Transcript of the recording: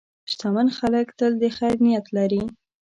شتمن خلک تل د خیر نیت لري.